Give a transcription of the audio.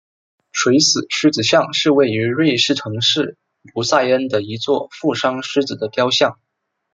垂死狮子像是位于瑞士城市卢塞恩的一座负伤狮子的雕像。